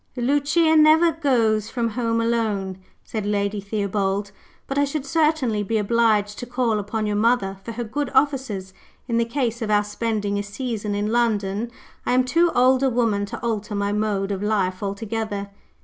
"Lucia never goes from home alone," said Lady Theobald; "but I should certainly be obliged to call upon your mother for her good offices, in the case of our spending a season in London. I am too old a woman to alter my mode of life altogether."